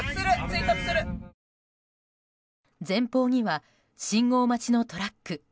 前方には信号待ちのトラック。